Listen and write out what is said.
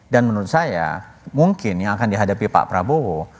dan menurut saya mungkin yang akan dihadapi pak prabowo